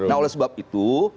nah oleh sebab itu